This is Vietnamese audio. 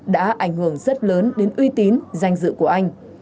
đã ảnh hưởng rất lớn đến uy tín danh dự của anh